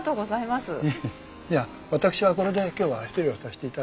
じゃ私はこれで今日は失礼をさせていただきます。